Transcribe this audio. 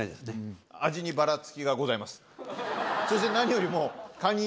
そして何よりも。